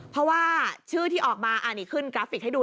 เพราะว่าชื่อที่ออกมาอันนี้ขึ้นกราฟิกให้ดู